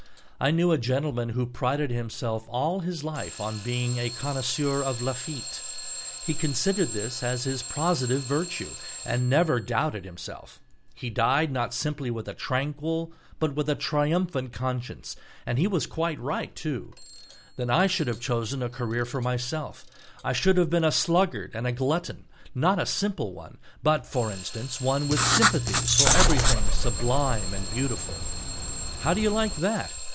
I knew a gentleman who prided himself all his life on being a connoisseur of Lafitte. He considered this as his positive virtue, and never doubted himself. He died, not simply with a tranquil, but with a triumphant conscience, and he was quite right, too. Then I should have chosen a career for myself, I should have been a sluggard and a glutton, not a simple one, but, for instance, one with sympathies for everything sublime and beautiful. How do you like that?